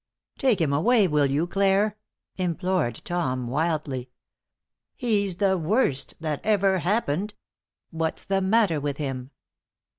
"Take him away, will you, Clare?" implored Tom, wildly. "He's the worst that ever happened. What's the matter with him?"